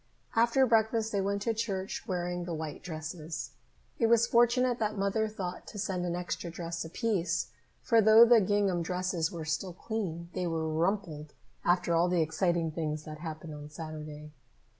After breakfast they went to church, wearing the white dresses. It was fortunate that Mother thought to send an extra dress apiece, for though the gingham dresses were still clean, they were rumpled after all the exciting things that happened on Saturday.